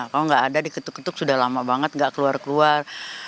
kalau nggak ada diketuk ketuk sudah lama banget nggak keluar keluar